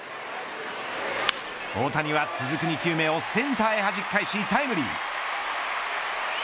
大谷は続く２球目をセンターへはじき返し、タイムリー。